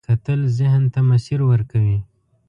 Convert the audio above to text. کتل ذهن ته مسیر ورکوي